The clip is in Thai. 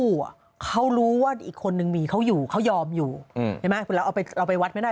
ว่าอีกคนนึงมีเขาอยู่เขายอมอยู่อืมใช่ไหมเราไปวัดไม่ได้